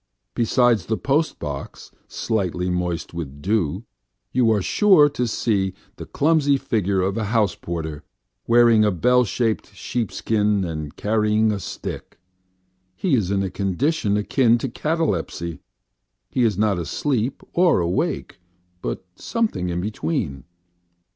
Beside the postbox, slightly moist with dew, you are sure to see the clumsy figure of a house porter, wearing a bell shaped sheepskin and carrying a stick. He is in a condition akin to catalepsy: he is not asleep or awake, but something between.